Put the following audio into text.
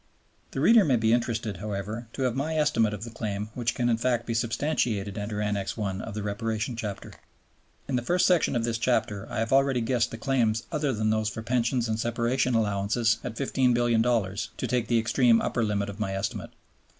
The reader may be interested, however, to have my estimate of the claim which can in fact be substantiated under Annex I. of the Reparation Chapter. In the first section of this chapter I have already guessed the claims other than those for Pensions and Separation Allowances at $15,000,000,000 (to take the extreme upper limit of my estimate).